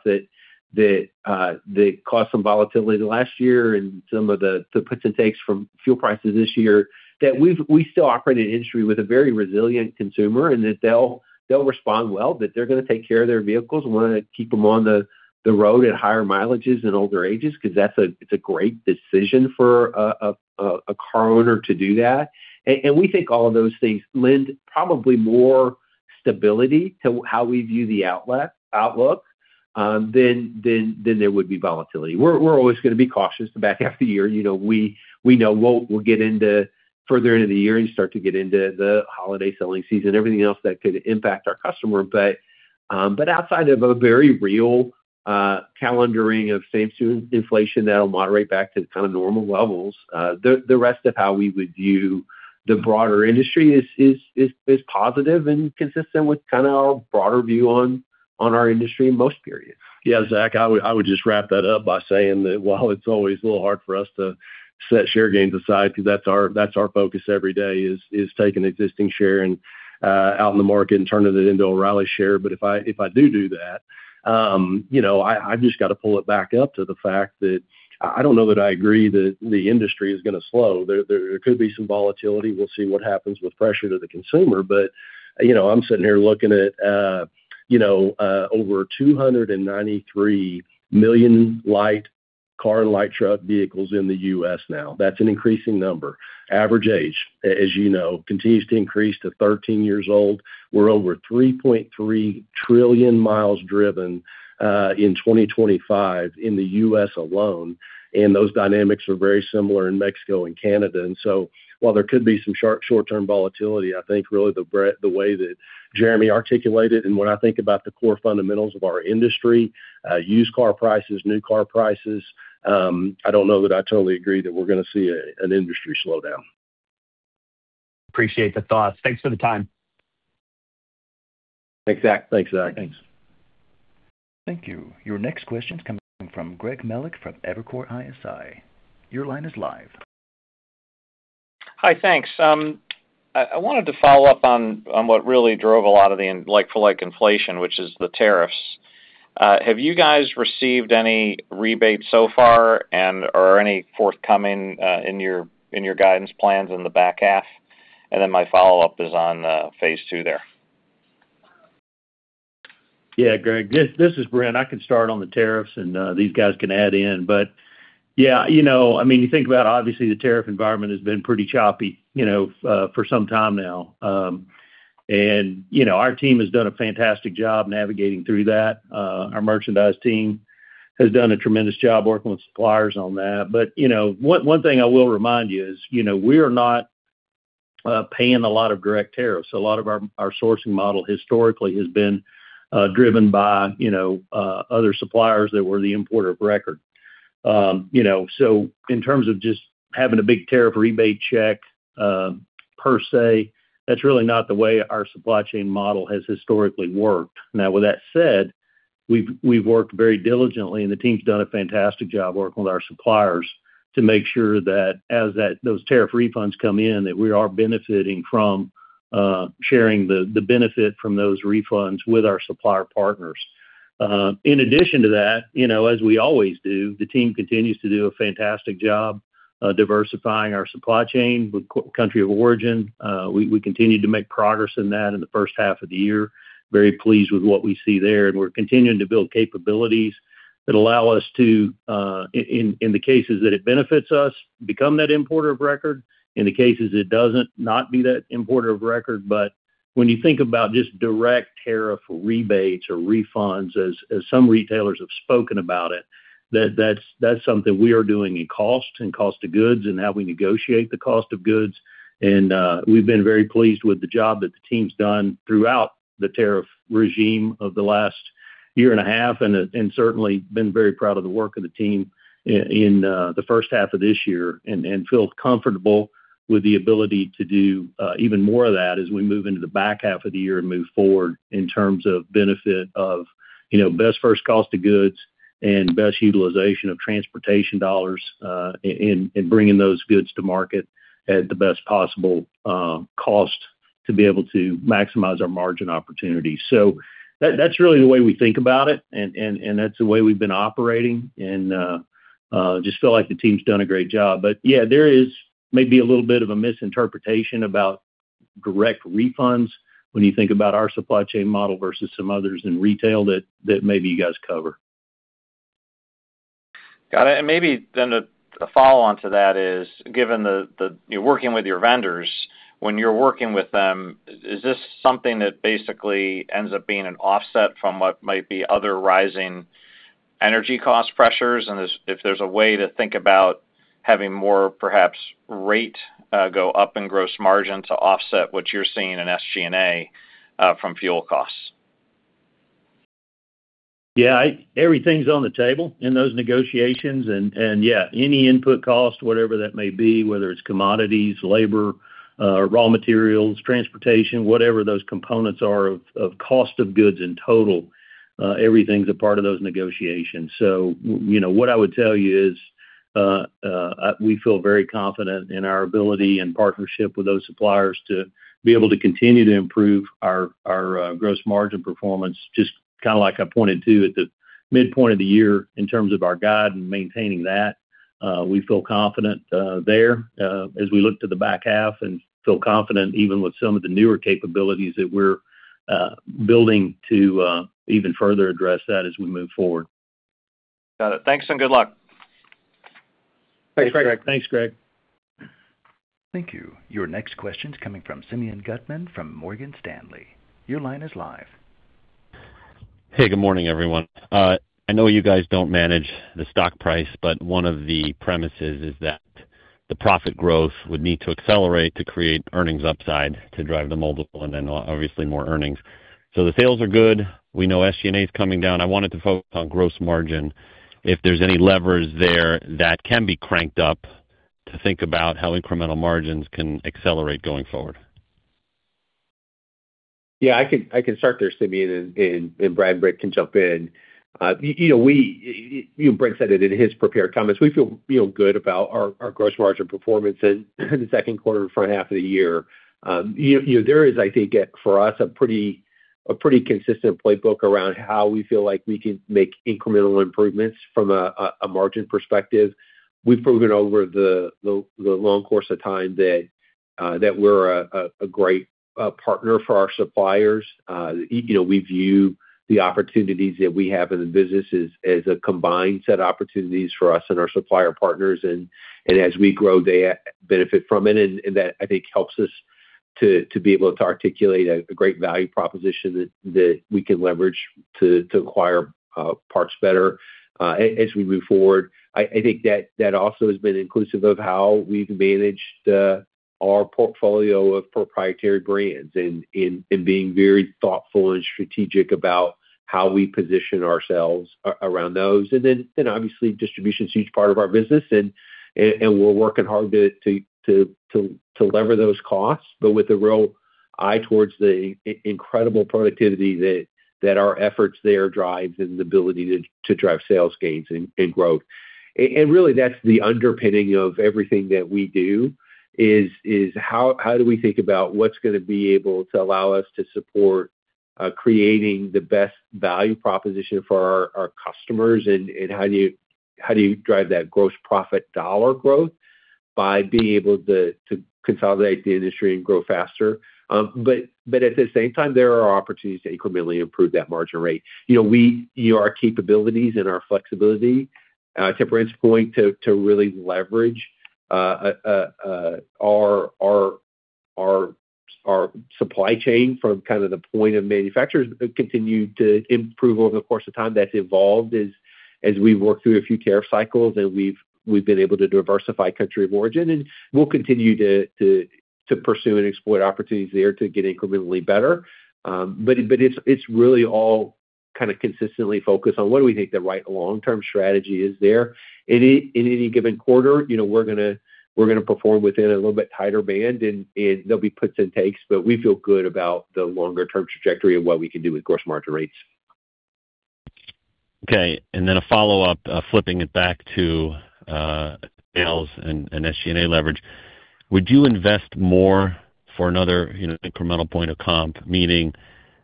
Speaker 2: that caused some volatility last year and some of the puts and takes from fuel prices this year, that we still operate an industry with a very resilient consumer, and that they'll respond well. That they're going to take care of their vehicles and want to keep them on the road at higher mileages and older ages, because it's a great decision for a car owner to do that. We think all of those things lend probably more stability to how we view the outlook than there would be volatility. We're always going to be cautious the back half of the year. We know we'll get further into the year and start to get into the holiday selling season, everything else that could impact our customer. Outside of a very real calendaring of same store inflation that'll moderate back to kind of normal levels, the rest of how we would view the broader industry is positive and consistent with kind of our broader view on our industry in most periods.
Speaker 3: Zach, I would just wrap that up by saying that while it's always a little hard for us to set share gains aside, because that's our focus every day, is taking existing share out in the market and turning it into O'Reilly share. If I do that, I've just got to pull it back up to the fact that I don't know that I agree that the industry is going to slow. There could be some volatility. We'll see what happens with pressure to the consumer. I'm sitting here looking at over 293 million light car and light truck vehicles in the U.S. now. That's an increasing number. Average age, as you know, continues to increase to 13 years old. We're over 3.3 trillion miles driven in 2025 in the U.S. alone, and those dynamics are very similar in Mexico and Canada. While there could be some short-term volatility, I think really the way that Jeremy articulated and when I think about the core fundamentals of our industry, used car prices, new car prices, I don't know that I totally agree that we're going to see an industry slowdown.
Speaker 7: Appreciate the thoughts. Thanks for the time.
Speaker 2: Thanks, Zach.
Speaker 3: Thanks, Zach.
Speaker 4: Thanks.
Speaker 1: Thank you. Your next question is coming from Greg Melich from Evercore ISI. Your line is live.
Speaker 8: Hi, thanks. I wanted to follow up on what really drove a lot of the like-for-like inflation, which is the tariffs. Have you guys received any rebates so far and/or any forthcoming in your guidance plans in the back half? My follow-up is on phase II there.
Speaker 4: Yeah, Greg, this is Brent. I can start on the tariffs, and these guys can add in. Yeah, you think about, obviously, the tariff environment has been pretty choppy for some time now. Our team has done a fantastic job navigating through that. Our merchandise team has done a tremendous job working with suppliers on that. One thing I will remind you is, we are not paying a lot of direct tariffs. A lot of our sourcing model historically has been driven by other suppliers that were the importer of record. In terms of just having a big tariff rebate check per se, that's really not the way our supply chain model has historically worked. With that said, we've worked very diligently, and the team's done a fantastic job working with our suppliers to make sure that as those tariff refunds come in, that we are benefiting from sharing the benefit from those refunds with our supplier partners. In addition to that, as we always do, the team continues to do a fantastic job diversifying our supply chain with country of origin. We continue to make progress in that in the first half of the year. Very pleased with what we see there. We're continuing to build capabilities that allow us to, in the cases that it benefits us, become that importer of record. In the cases it doesn't, not be that importer of record. When you think about just direct tariff rebates or refunds, as some retailers have spoken about it, that's something we are doing in cost and cost of goods and how we negotiate the cost of goods. We've been very pleased with the job that the team's done throughout the tariff regime of the last year and a half, and certainly been very proud of the work of the team in the first half of this year and feel comfortable with the ability to do even more of that as we move into the back half of the year and move forward in terms of benefit of best first cost of goods and best utilization of transportation dollars in bringing those goods to market at the best possible cost to be able to maximize our margin opportunities. That's really the way we think about it, and that's the way we've been operating and just feel like the team's done a great job. Yeah, there is maybe a little bit of a misinterpretation about direct refunds when you think about our supply chain model versus some others in retail that maybe you guys cover.
Speaker 8: Got it. Maybe then a follow-on to that is, given that you're working with your vendors, when you're working with them, is this something that basically ends up being an offset from what might be other rising energy cost pressures? If there's a way to think about having more perhaps rate go up in gross margin to offset what you're seeing in SG&A from fuel costs.
Speaker 4: Yeah. Everything's on the table in those negotiations. Yeah, any input cost, whatever that may be, whether it's commodities, labor, raw materials, transportation, whatever those components are of cost of goods in total, everything's a part of those negotiations. What I would tell you is we feel very confident in our ability and partnership with those suppliers to be able to continue to improve our gross margin performance. Just like I pointed to at the midpoint of the year in terms of our guide and maintaining that. We feel confident there as we look to the back half and feel confident even with some of the newer capabilities that we're building to even further address that as we move forward.
Speaker 8: Got it. Thanks and good luck.
Speaker 4: Thanks, Greg.
Speaker 1: Thank you. Your next question's coming from Simeon Gutman from Morgan Stanley. Your line is live.
Speaker 9: Hey, good morning, everyone. I know you guys don't manage the stock price, but one of the premises is that the profit growth would need to accelerate to create earnings upside to drive the multiple and then obviously more earnings. The sales are good. We know SG&A's coming down. I wanted to focus on gross margin, if there's any levers there that can be cranked up to think about how incremental margins can accelerate going forward.
Speaker 2: Yeah, I can start there, Simeon, and Brad can jump in. Brad said it in his prepared comments. We feel good about our gross margin performance in the second quarter and front half of the year. There is, I think, for us, a pretty consistent playbook around how we feel like we can make incremental improvements from a margin perspective. We've proven over the long course of time that we're a great partner for our suppliers. We view the opportunities that we have in the business as a combined set of opportunities for us and our supplier partners and as we grow, they benefit from it, and that, I think, helps us to be able to articulate a great value proposition that we can leverage to acquire parts better as we move forward. I think that also has been inclusive of how we've managed our portfolio of proprietary brands and being very thoughtful and strategic about how we position ourselves around those. Obviously distribution's huge part of our business, and we're working hard to lever those costs, but with a real eye towards the incredible productivity that our efforts there drives and the ability to drive sales gains and growth. Really that's the underpinning of everything that we do is how do we think about what's gonna be able to allow us to support creating the best value proposition for our customers and how do you drive that gross profit dollar growth by being able to consolidate the industry and grow faster. At the same time, there are opportunities to incrementally improve that margin rate. Our capabilities and our flexibility, I temper it's going to really leverage our supply chain from kind of the point of manufacturers continue to improve over the course of time that's evolved as we've worked through a few tariff cycles and we've been able to diversify country of origin. We'll continue to pursue and exploit opportunities there to get incrementally better. It's really all kind of consistently focused on what do we think the right long-term strategy is there. In any given quarter, we're gonna perform within a little bit tighter band and there'll be puts and takes, but we feel good about the longer term trajectory of what we can do with gross margin rates.
Speaker 9: Okay. Then a follow-up, flipping it back to sales and SG&A leverage. Would you invest more for another incremental point of comp, meaning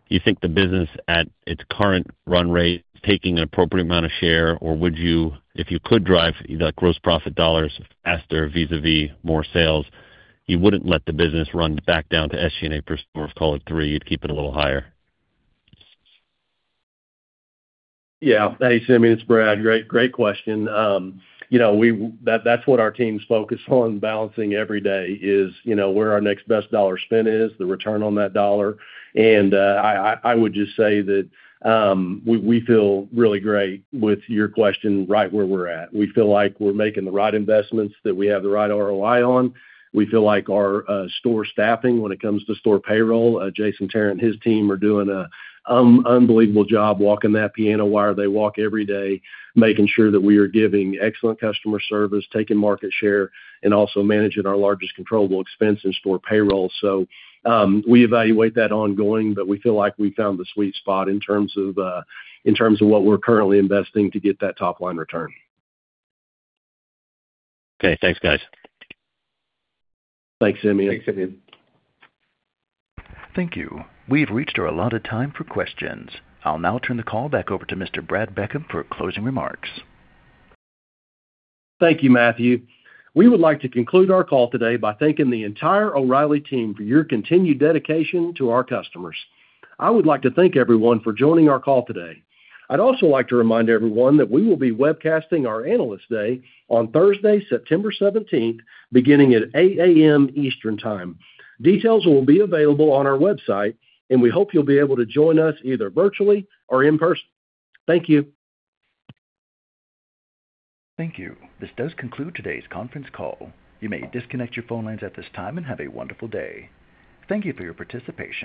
Speaker 9: you think the business at its current run rate is taking an appropriate amount of share or would you, if you could drive the gross profit dollars faster vis-a-vis more sales, you wouldn't let the business run back down to SG&A percent or call it three, you'd keep it a little higher?
Speaker 3: Yeah. Hey, Simeon, it's Brad. Great question. That's what our team's focused on balancing every day is where our next best dollar spend is, the return on that dollar. I would just say that we feel really great with your question right where we're at. We feel like we're making the right investments that we have the right ROI on. We feel like our store staffing when it comes to store payroll, Jason Tarrant, his team are doing an unbelievable job walking that piano wire they walk every day, making sure that we are giving excellent customer service, taking market share, and also managing our largest controllable expense in store payroll. We evaluate that ongoing, but we feel like we found the sweet spot in terms of what we're currently investing to get that top-line return.
Speaker 9: Okay. Thanks, guys.
Speaker 3: Thanks, Simeon.
Speaker 2: Thanks, Simeon.
Speaker 1: Thank you. We've reached our allotted time for questions. I'll now turn the call back over to Mr. Brad Beckham for closing remarks.
Speaker 3: Thank you, Matthew. We would like to conclude our call today by thanking the entire O'Reilly team for your continued dedication to our customers. I would like to thank everyone for joining our call today. I'd also like to remind everyone that we will be webcasting our Analyst Day on Thursday, September 17th, beginning at 8 A.M. Eastern Time. Details will be available on our website, and we hope you'll be able to join us either virtually or in person. Thank you.
Speaker 1: Thank you. This does conclude today's conference call. You may disconnect your phone lines at this time and have a wonderful day. Thank you for your participation.